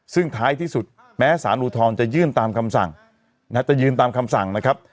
ซึ่งท้ายที่สุดแม้สารอุทธรณ์จะยื่นตามคำสั่งจะยืนตามคำสั่งนะครับ